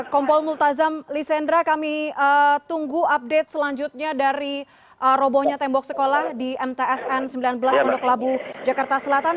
kompol multazam lisendra kami tunggu update selanjutnya dari robohnya tembok sekolah di mtsn sembilan belas pondok labu jakarta selatan